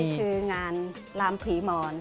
นี่คืองานลำผีหมอน